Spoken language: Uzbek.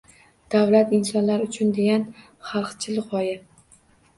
“Davlat– insonlar uchun” degan xalqchil g‘oya